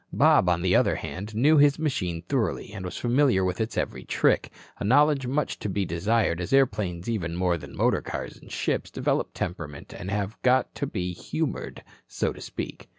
Bob, on the other hand, knew his machine thoroughly, and was familiar with its every trick, a knowledge much to be desired as airplanes even more than motor cars and ships develop temperament and have got to be "humored," so to speak.